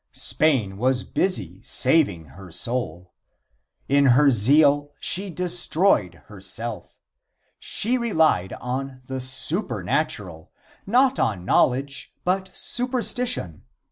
Spain was busy saving her soul. In her zeal she destroyed herself. She relied on the supernatural; not on knowledge, but superstition.